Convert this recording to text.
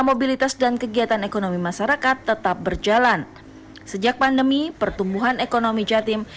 mobilitas dan kegiatan ekonomi masyarakat tetap berjalan sejak pandemi pertumbuhan ekonomi jatim